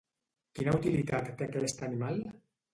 Quina utilitat té aquest animal?